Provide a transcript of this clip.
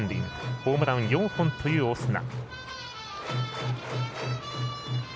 ホームラン４本というオスナ。